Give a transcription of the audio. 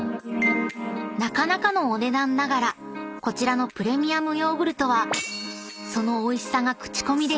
［なかなかのお値段ながらこちらのプレミアムヨーグルトはそのおいしさが口コミで広がり